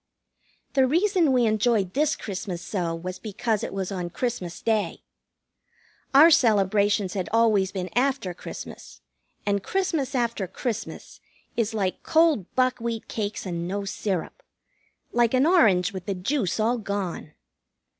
The reason we enjoyed this Christmas so was because it was on Christmas Day. Our celebrations had always been after Christmas, and Christmas after Christmas is like cold buckwheat cakes and no syrup. Like an orange with the juice all gone.